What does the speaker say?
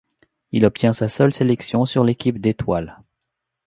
Il obtient sa seule sélection sur l'équipe d'étoiles.